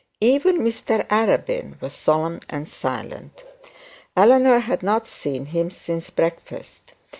Even Mr Arabin was solemn and silent. Eleanor had not seen him since breakfast.